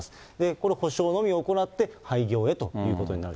この補償のみを行って、廃業へということになる。